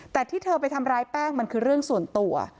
แต่ที่เธอไปทำร้ายแป้งมันคือเรื่องส่วนตัว